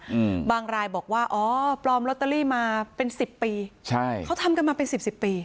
อืมบางรายบอกว่าอ๋อปลอมลอตเตอรี่มาเป็นสิบปีใช่เขาทำกันมาเป็นสิบสิบปี